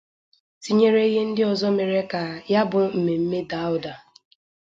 tinyere ihe ndị ọzọ mere ka ya bụ mmemme dàá ụdà.